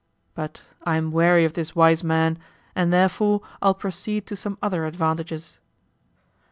But I am weary of this wise man, and therefore I'll proceed to some other advantages.